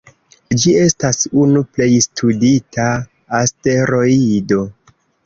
Ĝi estas unu plej studita asteroido.